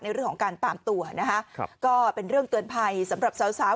เรื่องของการตามตัวนะคะครับก็เป็นเรื่องเตือนภัยสำหรับสาวสาว